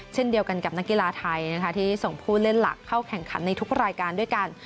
เช่นเดียวกันกับนักกีฬาไทยนะคะที่ส่งผู้เล่นหลักเข้าแข่งขันในทุกรายการด้วยกัน